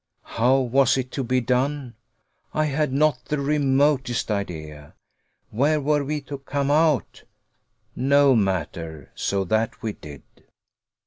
How was it to be done? I had not the remotest idea. Where were we to come out? No matter, so that we did.